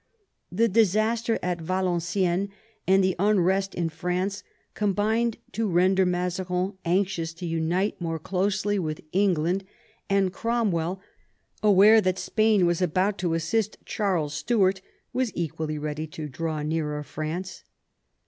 The disaster at Valenciennes and the unrest in France combined to render Mazarin anxious to unite more closely with England, and Cromwell, aware that Spain was about to assist Charles Stuart, was equally ready to draw nearer France.